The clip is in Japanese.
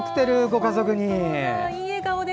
ご家族に。